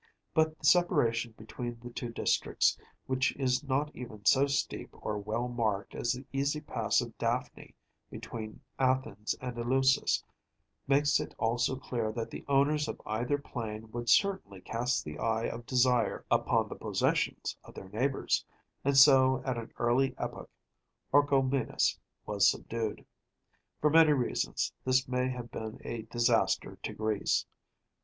But the separation between the two districts, which is not even so steep or well marked as the easy pass of Daphne between Athens and Eleusis, makes it also clear that the owners of either plain would certainly cast the eye of desire upon the possessions of their neighbors, and so at an early epoch Orchomenus was subdued. For many reasons this may have been a disaster to Greece.